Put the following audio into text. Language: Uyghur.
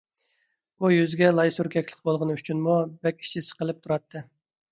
ئۇ يۈزىگە لاي سۈركەكلىك بولغىنى ئۈچۈنمۇ بەك ئىچى سىقىلىپ تۇراتتى.